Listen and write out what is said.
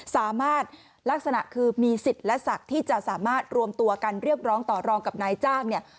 ลักษณะคือมีสิทธิ์และศักดิ์ที่จะสามารถรวมตัวกันเรียกร้องต่อรองกับนายจ้างเนี่ย